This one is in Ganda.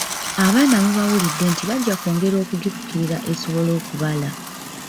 Abaana mubawulidde nti bajja kwongera okugifukirira esobole okubala.